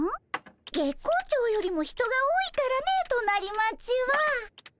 月光町よりも人が多いからね隣町は。